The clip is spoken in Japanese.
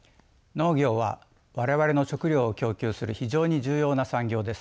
農業は我々の食料を供給する非常に重要な産業です。